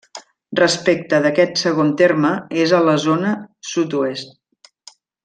Respecte d'aquest segon terme, és a la zona sud-oest.